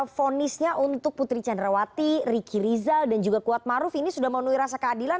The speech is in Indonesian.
ponisnya untuk putri candrawati riki rizal dan juga kuatmaruf ini sudah memenuhi rasa keadilan